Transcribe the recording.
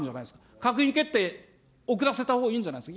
閣議決定遅らせたほうがいいんじゃないですか。